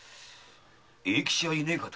永吉はいねえかと。